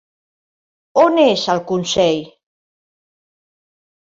On és el Consell?